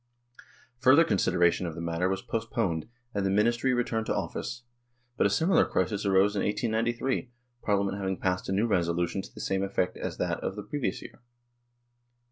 Further consideration of the matter was postponed, and the Ministry returned to office ; but a similar crisis arose in 1893, Parliament having passed a new resolution to the same effect as that of the previous year.